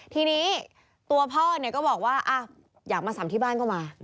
ทีนี้ตัวพ่อก็บอกว่าอยากมาสำที่บ้านก็มา